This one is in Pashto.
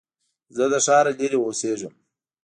زه له ښاره لرې اوسېږم